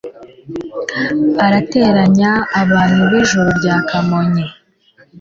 arateranya abantu kw'ijuru rya kamonyi